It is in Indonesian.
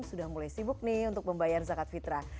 sudah mulai sibuk nih untuk membayar zakat fitrah